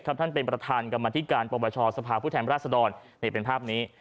ท่านเป็นประธานกรรมธิการปปชสภาพผู้แทนราชดรนี่เป็นภาพนี้